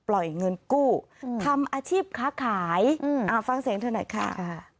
ปล่อยเงินกู้อืมทำอาชีพค้าขายอืมอ่าฟังเสียงเถอะหน่อยค่ะค่ะ